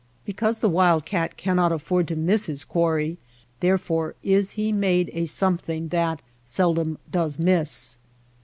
Because the wild cat cannot afford to miss his quarry, there fore is he made a something that seldom does miss.